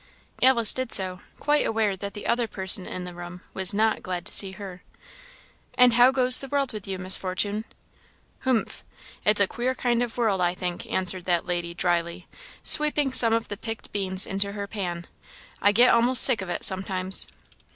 Alice did so, quite aware that the other person in the room was not glad to see her. "And how goes the world with you, Miss Fortune?" "Humph! it's a queer kind of world, I think," answered that lady, drily, sweeping some of the picked beans into her pan: "I get a'most sick of it, sometimes."